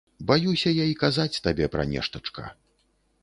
Баюся я й казаць табе пра нештачка.